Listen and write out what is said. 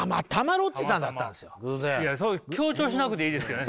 いやそう強調しなくていいですけどね